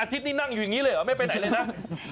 ทิตย์นี่นั่งอยู่อย่างนี้เลยเหรอไม่ไปไหนเลยนะ